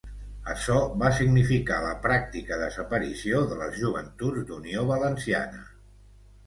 Açò va significar la pràctica desaparició de les Joventuts d'Unió Valenciana.